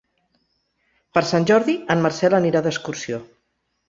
Per Sant Jordi en Marcel anirà d'excursió.